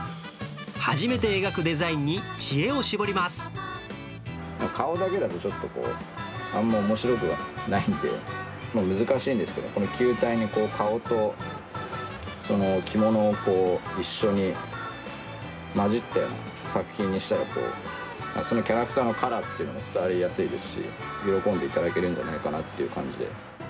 初めて描くデザインに知恵を絞り顔だけだとちょっとこう、あんまおもしろくないんで、難しいんですけど、この球体に顔と着物を一緒に、混じったような作品にしたら、そのキャラクターのカラーっていうのも伝わりやすいですし、喜んでいただけるんじゃないかなという感じで。